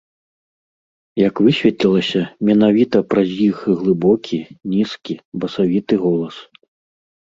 Як высветлілася, менавіта праз іх глыбокі, нізкі, басавіты голас.